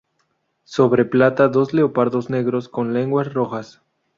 Sobre plata dos leopardos negros con lenguas rojas.